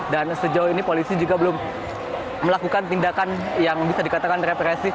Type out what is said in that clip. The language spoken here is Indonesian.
dan sejauh ini polisi juga belum melakukan tindakan yang bisa dikatakan represif